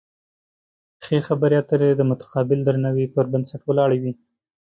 ښې خبرې اترې د متقابل درناوي پر بنسټ ولاړې وي.